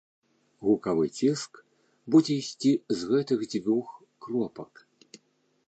Гукавы ціск будзе ісці з гэтых дзвюх кропак.